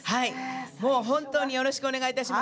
本当によろしくお願いします。